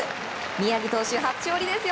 宮城投手、初勝利ですよ。